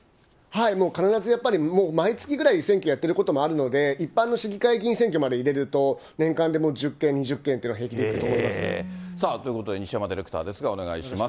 必ずやっぱり、毎月ぐらい選挙やってることもあるので、一般の市議会議員選挙まで入れると、年間で１０件、２０件っていうのは平気でいくと思いますね。ということで西山ディレクターですが、お願いします。